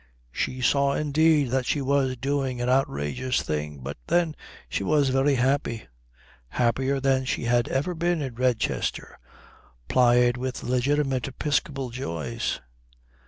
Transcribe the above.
She saw, indeed, that she was doing an outrageous thing, but then she was very happy happier than she had ever been in Redchester, plied with legitimate episcopal joys.